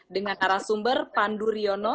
dengan arah sumber pandu riono